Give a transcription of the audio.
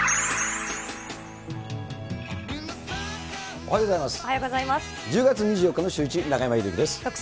おはようございます。